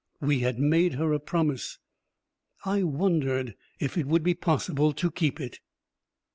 We had made her a promise. I wondered if it would be possible to keep it.